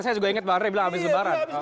saya juga ingat bang andre bilang abis lebaran